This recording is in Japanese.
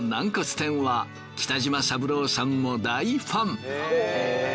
天は北島三郎さんも大ファン。